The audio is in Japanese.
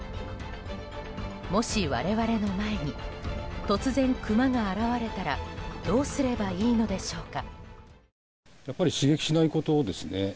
もし、我々の前に突然クマが現れたらどうすればいいのでしょうか。